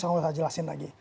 saya akan jelaskan lagi